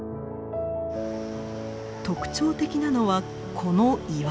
特徴的なのはこの岩。